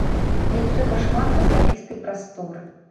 Мне трэба шмат асабістай прасторы.